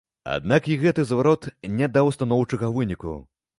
Аднак і гэты зварот не даў станоўчага выніку.